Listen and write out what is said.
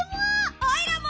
オイラも！